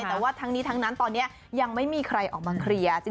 แต่ว่าทั้งนี้ทั้งนั้นตอนนี้ยังไม่มีใครออกมาเคลียร์